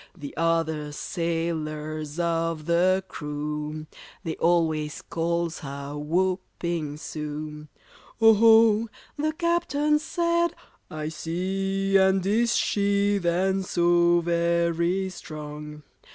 The other sailors of the crew They always calls her 'Whopping Sue!'" "Oho!" the Captain said, "I see! And is she then so very strong?"